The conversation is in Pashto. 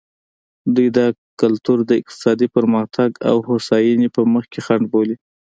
دوی دا کلتور د اقتصادي پرمختګ او هوساینې په مخ کې خنډ بولي.